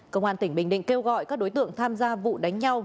công an tỉnh bình định kêu gọi các đối tượng tham gia vụ đánh nhau